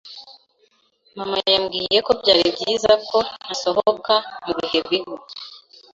Mama yambwiye ko byari byiza ko ntasohoka mu bihe bibi.